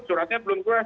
suratnya belum keluar